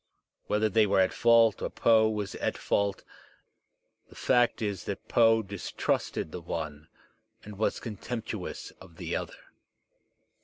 Whether they were at fault or Poe was at fault, the fact is that Poe distrusted the one and was contemptuous of the other.